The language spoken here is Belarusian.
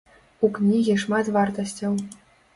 У кнігі шмат вартасцяў.